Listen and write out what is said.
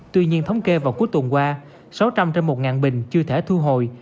tuy nhiên thống kê vào cuối tuần qua sáu trăm linh trên một bình chưa thể thu hồi